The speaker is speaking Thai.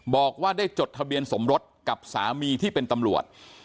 บอกว่าได้จดทะเบียนสมรสกับสามีที่เป็นตำรวจ